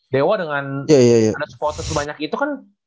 dewa dengan ada supporter sebanyak itu kan